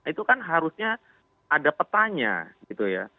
itu kan harusnya ada petanya gitu ya